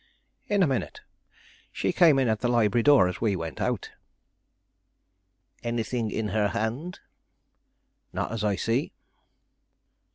"In a minute. She came in at the library door as we went out." "Anything in her hand?" "Not as I see."